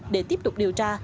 để tiếp tục điều tra